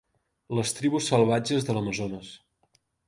Les tribus salvatges de l'Amazones.